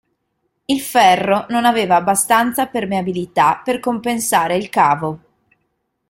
Il ferro non aveva abbastanza permeabilità per compensare il cavo.